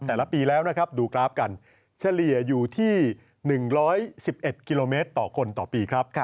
แต่ละปีแล้วนะครับดูกราฟกันเฉลี่ยอยู่ที่๑๑๑กิโลเมตรต่อคนต่อปีครับ